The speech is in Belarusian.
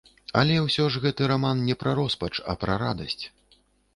Але ўсё ж гэты раман не пра роспач, а пра радасць.